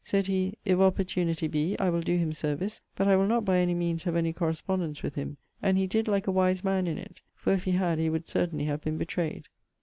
Said he, 'If opportunity be, I will doe him service; but I will not by any meanes have any correspondence with him'; and he did like a wise man in it; for if he had he would certainly have been betrayed.